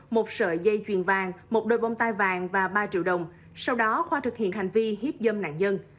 một sợi dây chuyền vàng một đôi bông tai vàng và ba triệu đồng sau đó khoa thực hiện hành vi hiếp dâm nạn nhân